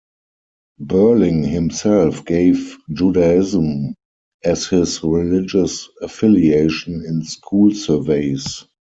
Berling himself gave Judaism as his religious affiliation in school surveys.